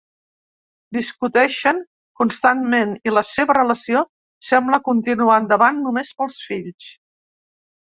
Discuteixen constantment i la seva relació sembla continuar endavant només pels fills.